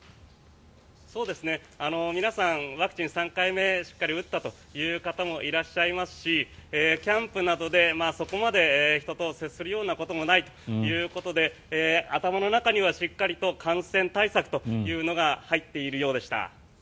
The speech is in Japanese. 皆さん、ワクチン３回目しっかり打ったという方もいらっしゃいますしキャンプなどでそこまで人と接するようなこともないということで頭の中にはしっかりと感染対策というのが入っているようでした。